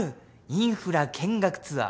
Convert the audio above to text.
インフラ見学ツアー。